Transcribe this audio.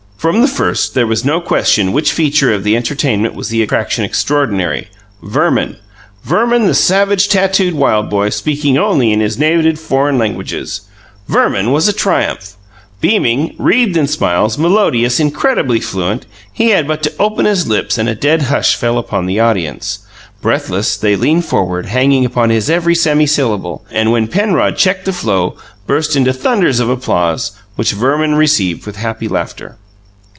From the first, there was no question which feature of the entertainment was the attraction extraordinary: Verman Verman, the savage tattooed wild boy, speaking only his native foreign languages Verman was a triumph! Beaming, wreathed in smiles, melodious, incredibly fluent, he had but to open his lips and a dead hush fell upon the audience. Breathless, they leaned forward, hanging upon his every semi syllable, and, when Penrod checked the flow, burst into thunders of applause, which Verman received with happy laughter.